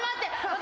私。